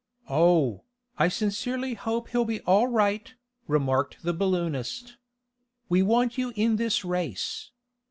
"Oh, I sincerely hope he'll be all right," remarked the balloonist. "We want you in this race.